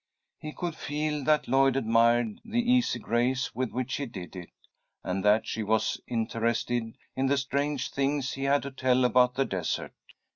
He could feel that Lloyd admired the easy grace with which he did it, and that she was interested in the strange things he had to tell about the desert.